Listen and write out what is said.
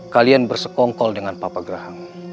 kalian bersekongkol dengan papa gerahang